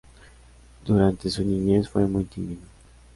Durante su niñez fue muy tímido.